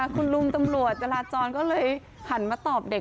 คุณลุงตำรวจจราจรก็เลยหันมาตอบเด็ก